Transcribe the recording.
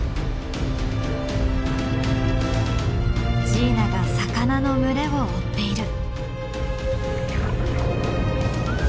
ジーナが魚の群れを追っている。